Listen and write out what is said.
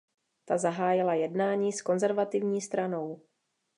Ta zahájila jednání s Konzervativní stranou.